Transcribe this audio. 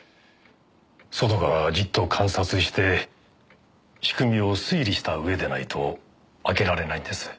外からじっと観察して仕組みを推理した上でないと開けられないんです。